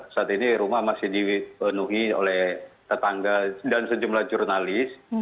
saat ini rumah masih dipenuhi oleh tetangga dan sejumlah jurnalis